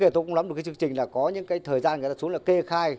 trong cái chương trình là có những cái thời gian người ta xuống là kê khai